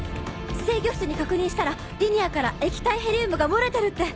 制御室に確認したらリニアから液体ヘリウムが漏れてるって。